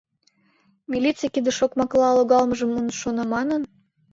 Милиций кидыш окмакла логалмыжым ынышт шоно манын?